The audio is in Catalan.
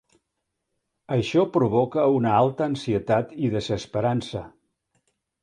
Això provoca una alta ansietat i desesperança.